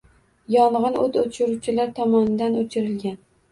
Yong‘in o‘t o‘chiruvchilar tomonidan o‘chirilgan